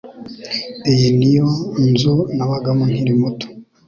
Iyi niyo nzu nabagamo nkiri muto.